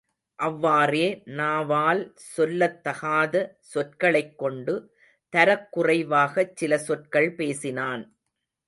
அவ்வாறே நாவால் சொல்லத்தகாத சொற்களைக் கொண்டு தரக்குறைவாகச் சில சொற்கள் பேசினான்.